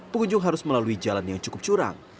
pengunjung harus melalui jalan yang cukup curang